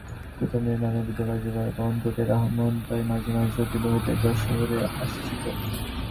কুটুম্বিতার নানাবিধ কার্যভার বহন করিয়া রামমোহন প্রায় মাঝে মাঝে চন্দ্রদ্বীপ হইতে যশোহরে আসিত।